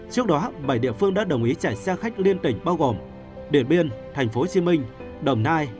trước đó bảy địa phương đã đồng ý chạy xe khách liên tỉnh bao gồm điện biên tp hcm đồng nai